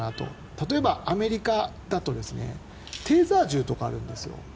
例えば、アメリカだとテーザー銃とかあるんですよ。